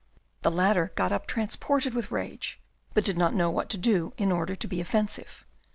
The latter got up transported with rage, but he did not know what to do in order to be offensive.